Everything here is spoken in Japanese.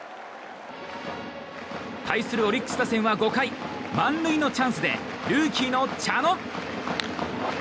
対するはオリックス打線は５回満塁のチャンスでルーキーの茶野。